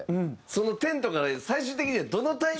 そのテントから最終的には。